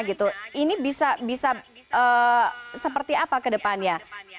ini bisa seperti apa ke depannya